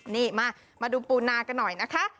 นี่มาดูปูนากันหน่อยนะคะ